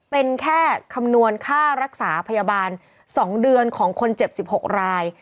เป็นแค่คำนวณค่ารักษาพยาบาล๒เดือนของคนเจ็บ๑๖ราย